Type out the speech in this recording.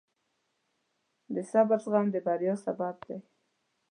د صبر زغم د بریا سبب دی.